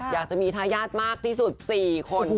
อยากจะมีทายาทมากที่สุด๔คน